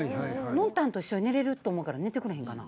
ノンタンと一緒に寝れると思うから寝てくれへんかな？